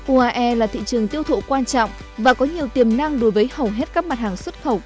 uae là thị trường tiêu thụ quan trọng và có nhiều tiềm năng đối với hầu hết các mặt hàng xuất khẩu